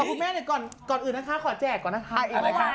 เอ้อคุณแม่หน่อยก่อนอื่นนะคะขอแจกก่อนนะคะอย่าอะไรค่ะ